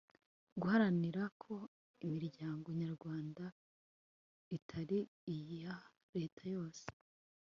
guharanira ko imiryango nyarwanda itari iya leta yose